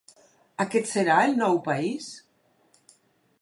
Aquest serà el nou país?